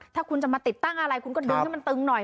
ถ้าคุณจะมาติดตั้งอะไรคุณก็ดึงให้มันตึงหน่อย